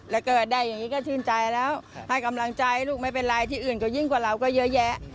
แล้วก็ได้อย่างนี้ก็ชื่นใจแล้วให้กำลังใจลูกไม่เป็นไรที่อื่นก็ยิ่งกว่าเราก็เยอะแยะ